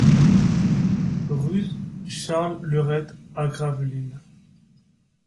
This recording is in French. Rue Charles Leurette à Gravelines